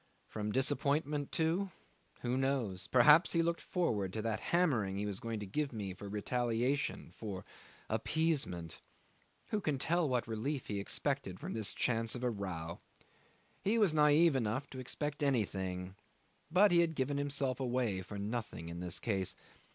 From disappointment too who knows? Perhaps he looked forward to that hammering he was going to give me for rehabilitation, for appeasement? Who can tell what relief he expected from this chance of a row? He was naive enough to expect anything; but he had given himself away for nothing in this case.